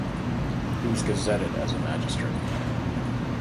He was gazetted as a magistrate.